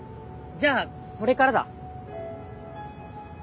じゃあこれからだ！